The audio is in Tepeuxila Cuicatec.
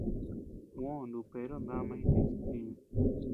Juó nuku Pedro dama dijis ntiñu.